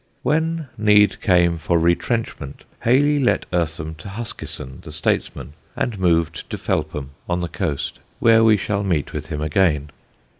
When need came for retrenchment, Hayley let Eartham to Huskisson, the statesman, and moved to Felpham, on the coast, where we shall meet with him again.